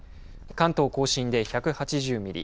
関東甲信で１８０ミリ